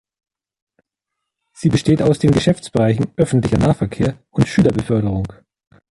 Sie besteht aus den Geschäftsbereichen „Öffentlicher Nahverkehr“ und „Schülerbeförderung“.